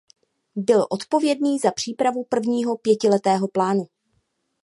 Byl odpovědný za přípravu prvního pětiletého plánu.